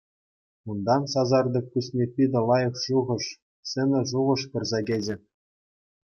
Унтан сасартӑк пуҫне питӗ лайӑх шухӑш, ҫӗнӗ шухӑш пырса кӗчӗ.